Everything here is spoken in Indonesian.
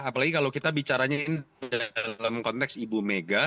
apalagi kalau kita bicaranya ini dalam konteks ibu mega